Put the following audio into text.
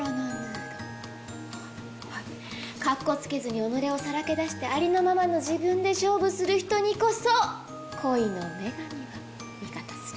かっこつけずに己をさらけ出してありのままの自分で勝負する人にこそ恋の女神が味方する。